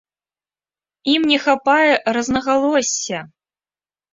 Ім не хапае рознагалосся!